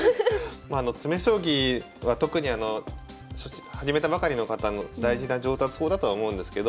詰将棋は特にあの始めたばかりの方の大事な上達法だとは思うんですけど